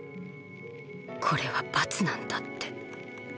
これは罰なんだって。